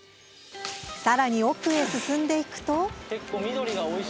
さらに奥へ進んでいくと。